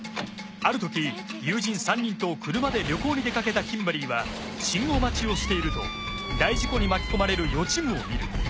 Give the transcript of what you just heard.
あるとき友人３人と車で旅行に出かけたキンバリーは信号待ちをしていると大事故に巻き込まれる予知夢を見る。